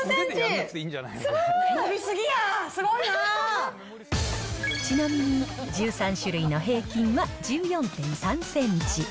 伸びちなみに１３種類の平均は１４．３センチ。